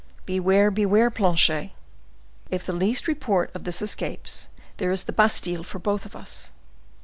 "Beware, beware, Planchet! If the least report of this escapes, there is the Bastile for both of us.